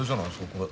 これ。